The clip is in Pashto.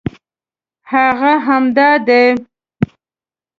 هغه همدا دی.